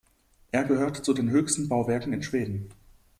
Er gehört zu den höchsten Bauwerken in Schweden.